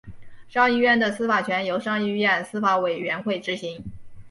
上议院的司法权由上议院司法委员会执行。